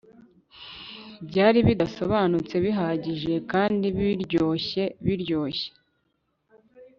byari bidasobanutse bihagije kandi biryoshye biryoshye